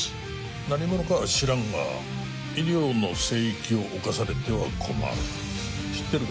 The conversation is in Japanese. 何者かは知らんが医療の聖域をおかされては困る知ってるか？